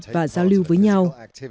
và giao lưu với nhau